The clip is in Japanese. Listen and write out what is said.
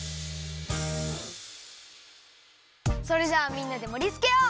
それじゃあみんなでもりつけよう！